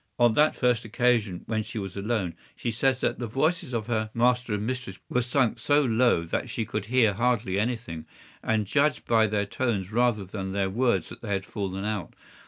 On that first occasion, when she was alone, she says that the voices of her master and mistress were sunk so low that she could hear hardly anything, and judged by their tones rather than their words that they had fallen out.